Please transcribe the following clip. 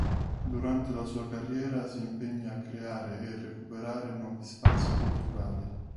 Durante la sua carriera si impegna a creare e recuperare nuovi spazi culturali.